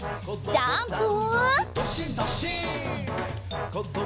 ジャンプ！